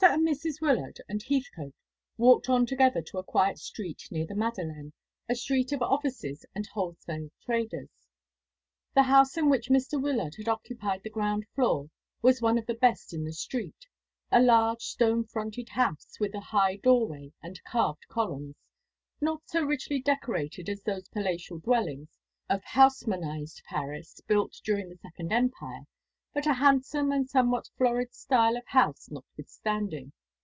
and Mrs. Wyllard and Heathcote walked on together to a quiet street near the Madeleine, a street of offices and wholesale traders. The house in which Mr. Wyllard had occupied the ground floor was one of the best in the street, a large stone fronted house, with a high doorway and carved columns not so richly decorated as those palatial dwellings of Haussmannised Paris, built during the Second Empire, but a handsome and somewhat florid style of house notwithstanding.